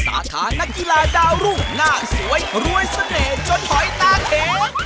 สาธานักกีฬาดาวรุ่งหน้าสวยรวยเสน่ห์จนหอยตาแข็ง